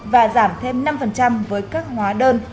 và giảm thêm năm với các hóa đơn